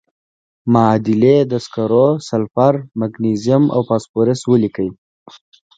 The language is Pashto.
معادلې د سکرو، سلفر، مګنیزیم او فاسفورس ولیکئ.